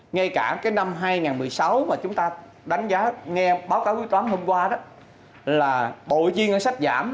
ngay cả năm hai nghìn một mươi sáu mà chúng ta đánh giá nghe báo cáo quyết toán hôm qua là bộ chuyên ngân sách giảm